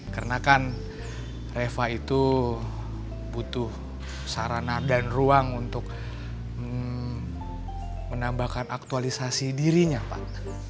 karena kan reva itu butuh sarana dan ruang untuk menambahkan aktualisasi dirinya pak